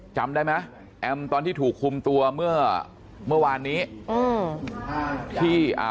จำได้ไหมแอมตอนที่ถูกคุมตัวเมื่อเมื่อวานนี้อืมที่อ่า